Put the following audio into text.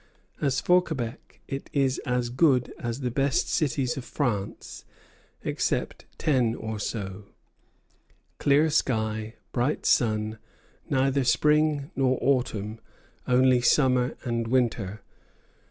As for Quebec, it is as good as the best cities of France, except ten or so. Clear sky, bright sun; neither spring nor autumn, only summer and winter.